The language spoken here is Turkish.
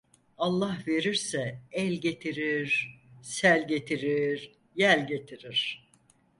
Allah verirse el getirir, sel getirir, yel getirir.